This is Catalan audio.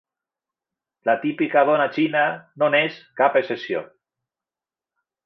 La "típica" dona "china" no n'és cap excepció.